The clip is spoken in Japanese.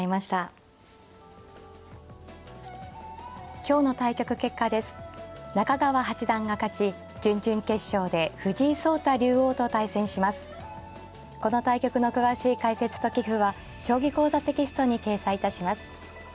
この対局の詳しい解説と棋譜は「将棋講座」テキストに掲載いたします。